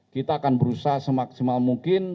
kita akan berusaha semaksimal mungkin